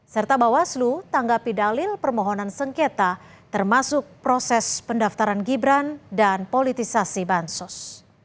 serta bawaslu tanggapi dalil permohonan sengketa termasuk proses pendaftaran gibran dan politisasi bansos